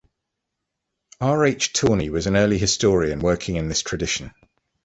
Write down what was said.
R. H. Tawney was an early historian working in this tradition.